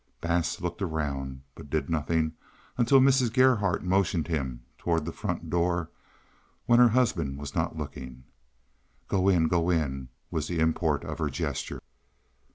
Bass looked around, but did nothing until Mrs. Gerhardt motioned him toward the front door when her husband was not looking. "Go in! Go in!" was the import of her gesture.